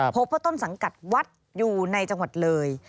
พบว่าต้นสังกัดวัดอยู่ในจังหวัดเลย